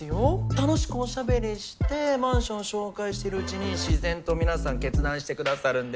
楽しくおしゃべりしてマンション紹介してるうちに自然と皆さん決断してくださるんです。